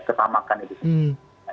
ketamakan itu sendiri